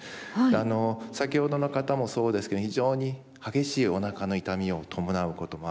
先ほどの方もそうですけど非常に激しいおなかの痛みを伴うこともありですね